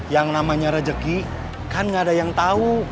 yang namanya rezeki kan gak ada yang tahu